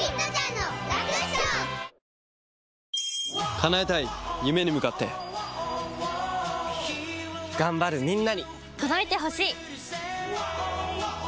叶えたい夢に向かって頑張るみんなに届いてほしい！